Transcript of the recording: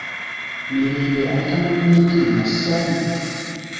Mirembe ayita munne nti Nassali?